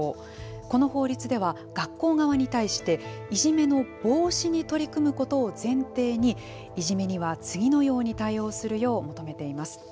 この法律では、学校側に対していじめの防止に取り組むことを前提に、いじめには次のように対応するよう求めています。